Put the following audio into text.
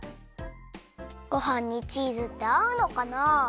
ごはんにチーズってあうのかな？